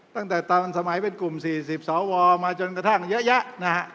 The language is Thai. ตั้งแต่ตอนสมัยเป็นกลุ่ม๔๐สวมาจนกระทั่งเยอะแยะนะฮะ